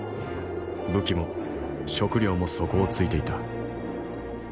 武器も食糧も底をついていた。